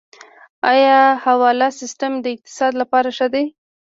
آیا حواله سیستم د اقتصاد لپاره ښه دی؟